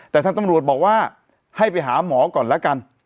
แต่ทางตำรวจบอกว่าให้ไปหาหมอก่อนแล้วกัน